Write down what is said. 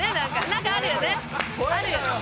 何かあるよね？